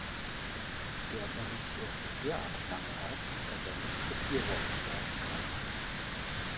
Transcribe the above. Der Bericht ist derart mangelhaft, dass er nicht befürwortet werden kann.